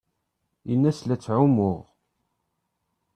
Ini-as la ttɛumuɣ.